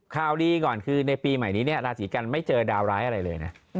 ข่าวดีก่อนคือในปีใหม่นี้เนี่ยราศีกันไม่เจอดาวร้ายอะไรเลยนะ